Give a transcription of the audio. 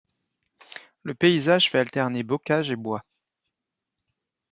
Le paysage fait alterner bocages et bois.